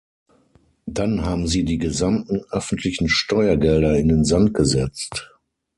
Dann haben Sie die gesamten öffentlichen Steuergelder in den Sand gesetzt!